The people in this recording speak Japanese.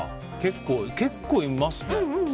結構いますね。